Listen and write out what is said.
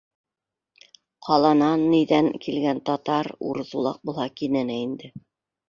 Ҡаланан -ниҙән килгән татар, урыҫ-улаҡ булһа, кинәнә инде.